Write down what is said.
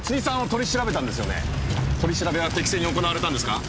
取り調べは適正に行われたんですか？